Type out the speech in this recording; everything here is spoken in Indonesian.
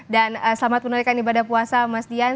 dan selamat menaikan ibadah puasa mas dian